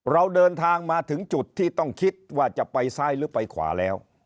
เราเดินทางมาถึงจุดที่ต้องคิดว่าจะไปซ้ายหรือไปขวาแล้ว